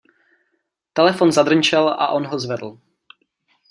Telefon zadrnčel a on ho zvedl.